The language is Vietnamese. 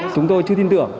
chúng tôi chưa tin tưởng